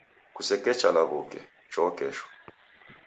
Kusekecha law'uke, choo kesho.